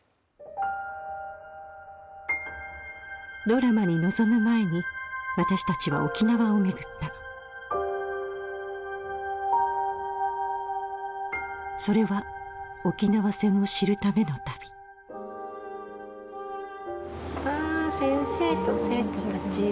ドラマに臨む前に私たちは沖縄を巡ったそれは“沖縄戦”を知るための旅ああ先生と生徒たち。